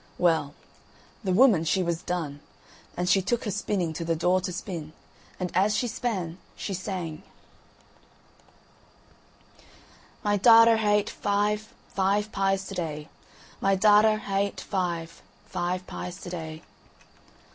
Well, the woman she was done, and she took her spinning to the door to spin, and as she span she sang: "My darter ha' ate five, five pies to day. My darter ha' ate five, five pies to day."